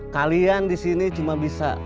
kalian di sini cuma bisa